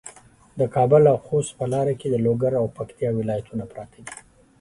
د کابل او خوست په لاره کې د لوګر او پکتیا ولایتونه پراته دي.